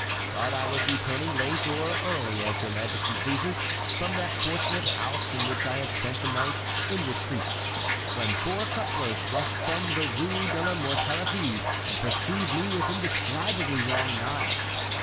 But I was returning late, or early, as your majesty pleases, from that fortunate house in which I had spent the night in retreat, when four cut throats rushed from the Rue de la Mortellerie and pursued me with indescribably long knives.